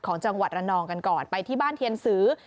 จังหวัดระนองกันก่อนไปที่บ้านเทียนสือ